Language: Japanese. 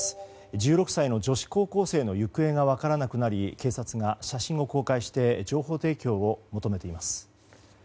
１６歳の女子高校生の行方が分からなくなり警察が写真を公開して情報提供を求めています。